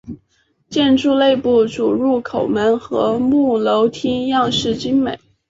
建筑内部主入口门和木楼梯样式精美。